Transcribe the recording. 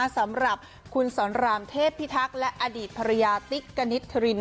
สำหรับคุณสอนรามเทพพิทักษ์และอดีตภรรยาติ๊กกณิตธริน